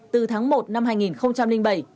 từ tháng một năm hai nghìn bảy